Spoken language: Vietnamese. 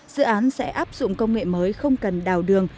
dự án sẽ áp dụng công nghệ mới không cần đào đường